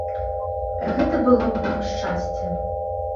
Гэта было б нам шчасце.